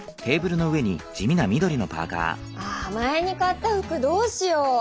ああ前に買った服どうしよう？